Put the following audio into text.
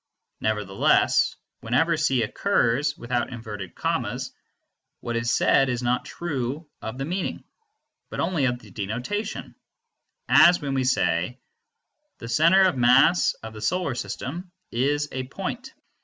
Nevertheless, whenever C occurs without inverted commas, what is said is not true of the meaning, but only of the denotation, as when we say: The center of mass of the Solar System is a point.